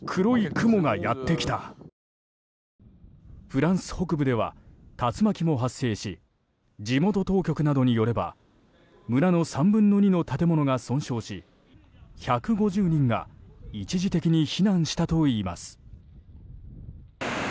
フランス北部では竜巻も発生し地元当局などによれば村の３分の２の建物が損傷し１５０人が一時的に避難したといいます。